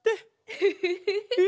フフフフフ。